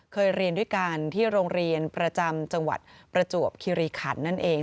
เคยเรียนด้วยกันที่โรงเรียนประจำจังหวัดประจวบคิริขันนั่นเอง